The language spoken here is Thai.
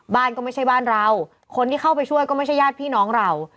บ้านก็ไม่ใช่บ้านเราคนที่เข้าไปช่วยก็ไม่ใช่ญาติพี่น้องเรา